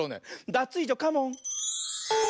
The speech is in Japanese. ダツイージョカモン！